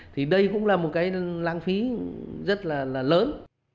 thì đây cũng là một cái lãng phí rất là lớn